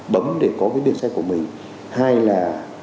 bấm để có cái biển xe của mình hai là